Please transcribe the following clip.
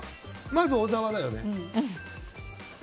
まず小沢だよね。